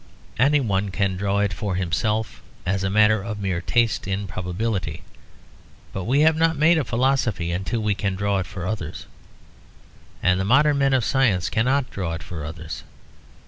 Any one can draw it for himself, as a matter of mere taste in probability; but we have not made a philosophy until we can draw it for others. And the modern men of science cannot draw it for others.